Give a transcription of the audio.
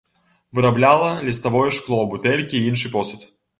Вырабляла ліставое шкло, бутэлькі і іншы посуд.